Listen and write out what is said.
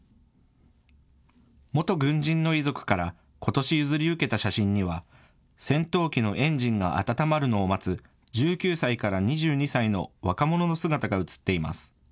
元軍人の遺族からことし譲り受けた写真には戦闘機のエンジンが温まるのを待つ１９歳から２２歳の若者の姿が写っています。